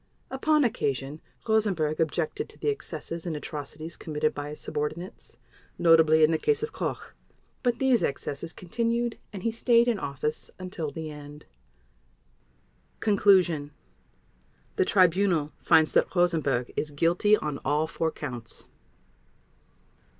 Upon occasion Rosenberg objected to the excesses and atrocities committed by his subordinates, notably in the case of Koch, but these excesses continued and he stayed in office until the end. Conclusion. The Tribunal finds that Rosenberg is guilty on all four Counts.